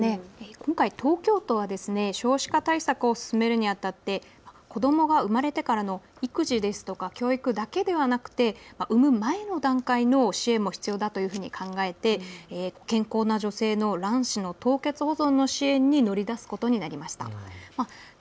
今回、東京都は少子化対策を進めるにあたって子どもが生まれてからの育児ですとか教育だけではなく産む前の段階の支援も必要だというふうに考え健康な女性への卵子の凍結保存の支援に乗り出すことになりました。